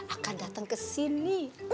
akan dateng kesini